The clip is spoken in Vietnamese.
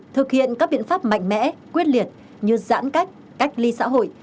thực hiện các biện pháp mạnh mẽ quyết liệt như giãn cách cách ly xã hội